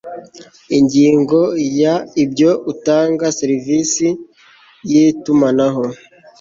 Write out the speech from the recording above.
ingingo ya ibyo utanga serivisi y itumanaho